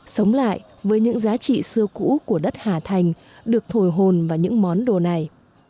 sống lại với những giá trị xưa cũ của đất hà thành được thổi hồn vào những món đồ này